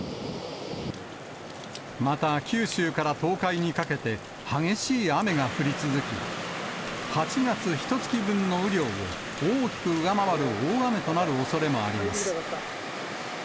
また、九州から東海にかけて、激しい雨が降り続き、８月ひと月分の雨量を大きく上回る大雨となるおそれもあります。